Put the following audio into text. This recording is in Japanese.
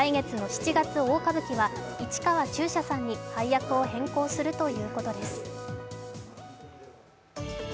来月の「七月大歌舞伎」は市川中車さんに配役を変更するということです。